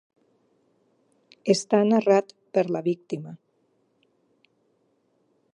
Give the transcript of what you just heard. Està narrat per la víctima.